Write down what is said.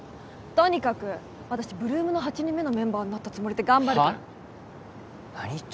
とにかく私８ＬＯＯＭの８人目のメンバーになったつもりで頑張るからはっ？